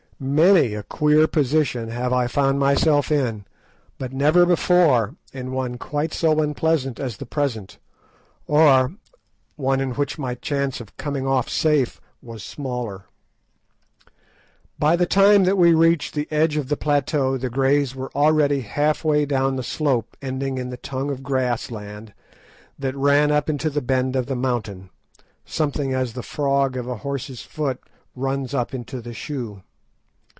Many a queer position have I found myself in, but never before in one quite so unpleasant as the present, or one in which my chance of coming off safe was smaller. By the time that we reached the edge of the plateau the Greys were already half way down the slope ending in the tongue of grass land that ran up into the bend of the mountain, something as the frog of a horse's foot runs up into the shoe.